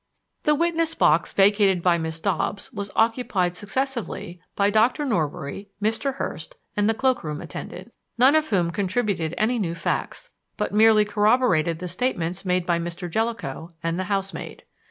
The witness box vacated by Miss Dobbs was occupied successively by Dr. Norbury, Mr. Hurst and the cloak room attendant, none of whom contributed any new facts, but merely corroborated the statements made by Mr. Jellicoe and the housemaid.